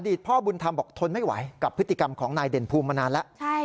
พ่อบุญธรรมบอกทนไม่ไหวกับพฤติกรรมของนายเด่นภูมิมานานแล้ว